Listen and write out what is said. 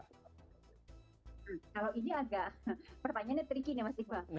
kalau ini agak pertanyaannya tricky mas iba